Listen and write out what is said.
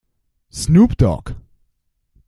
Snoop Dog